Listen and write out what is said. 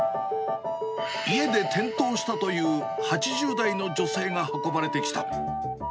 家で転倒したという８０代の女性が運ばれてきた。